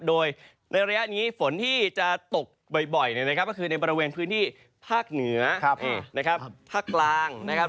โดยในระยะนี้ฝนที่จะตกบ่อยเนี่ยนะครับก็คือในบริเวณพื้นที่ภาคเหนือนะครับภาคกลางนะครับ